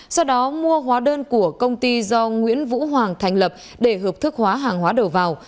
sau đó mua hóa đơn của công ty do nguyễn vũ hoàng thành lập để hợp thức hóa hàng hóa đầu vào